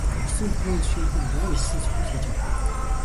Хүссэн бүхнийг нь зөвшөөрөх нь буруу ишилсэн сүх л хийж байгаатай адил.